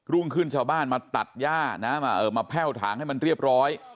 รุ่งขึ้นชาวบ้านมาตัดย่านะมาแพ่วถางให้มันเรียบร้อย